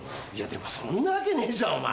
でもそんなわけねえじゃんお前。